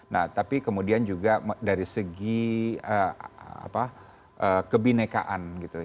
nah tapi kemudian juga dari segi kebinekaan gitu